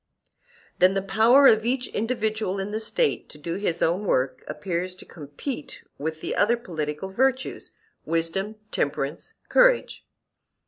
Then the power of each individual in the State to do his own work appears to compete with the other political virtues, wisdom, temperance, courage.